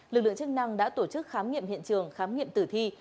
lực lượng chức năng đã tổ chức khám nghiệm hiện trường khám nghiệm tử thi